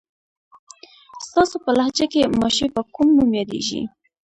ستاسو په لهجه کې ماشې په کوم نوم یادېږي؟